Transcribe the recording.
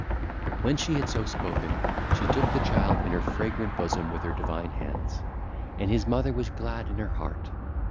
(ll. 231 247) When she had so spoken, she took the child in her fragrant bosom with her divine hands: and his mother was glad in her heart.